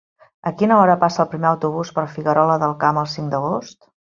A quina hora passa el primer autobús per Figuerola del Camp el cinc d'agost?